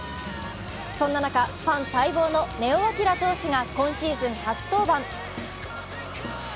そんな中、ファン待望の根尾昂投手が今シーズン初登板。